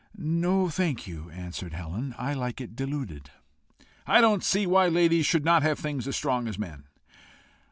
"No, thank you," answered Helen; "I like it diluted." "I don't see why ladies should not have things strong as men."